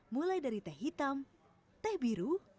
mulai dari teh hitam teh biru